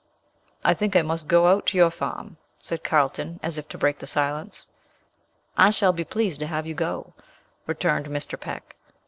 "I think I must go out to your farm," said Carlton, as if to break the silence. "I shall be pleased to have you go," returned Mr. Peck.